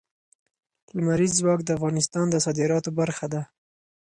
لمریز ځواک د افغانستان د صادراتو برخه ده.